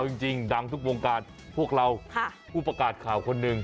เอาจริงดังทุกวงการพวกเราอุปกราชข่าวคนนึง